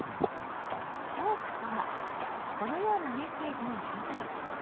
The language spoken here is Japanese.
「トーク」とはこのようなメッセージのやりとり。